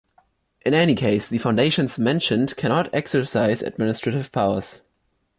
In any case, the foundations mentioned cannot exercise administrative powers.